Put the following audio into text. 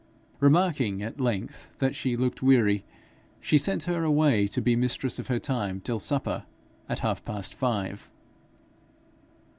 Remarking, at length, that she looked weary, she sent her away to be mistress of her time till supper, at half past five.